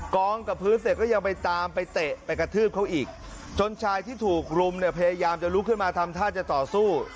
กองกับพื้นเสร็จก็ยังไปตามไปเตะไปกระทืบเขาอีกจนชายที่ถูกรุมเนี่ยพยายามจะลุกขึ้นมาทำท่าจะต่อสู้